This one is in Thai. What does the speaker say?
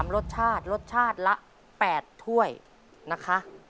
รสชาติรสชาติละ๘ถ้วยนะคะ